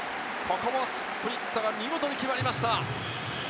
ここもスプリットが見事に決まりました。